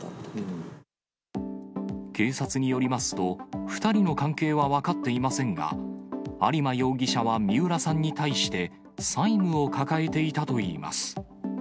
警察によりますと、２人の関係は分かっていませんが、有馬容疑者は三浦さんに対して、債務を抱えていたといいます。